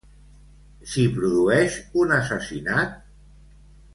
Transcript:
S'hi produeix un assassinat?